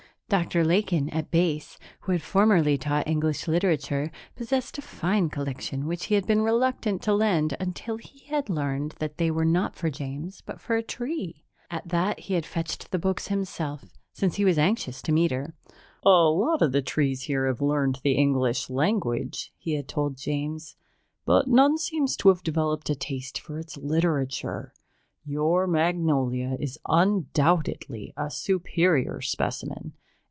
Dr. Lakin, at Base, who had formerly taught English literature, possessed a fine collection which he had been reluctant to lend until he had learned that they were not for James but for a tree. At that, he had fetched the books himself, since he was anxious to meet her. "A lot of the trees here have learned the English language," he had told James, "but none seems to have developed a taste for its literature. Your Magnolia is undoubtedly a superior specimen.